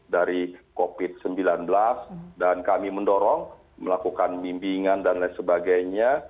dari covid sembilan belas dan kami mendorong melakukan bimbingan dan lain sebagainya